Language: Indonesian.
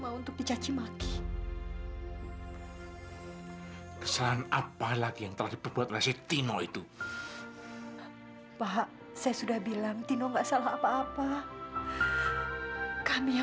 kamu jangan menambah dosa lagi di rumah kita